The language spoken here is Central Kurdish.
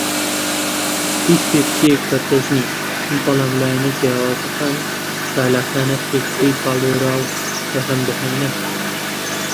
هیچ پێکوتەیەک بەردەست نییە، بەڵام لایەنە جیاوازەکان چالاکانە پێکوتەی پاڵێوراو بەرهەم دەهێنن.